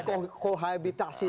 gak bisa ada dikohabitasi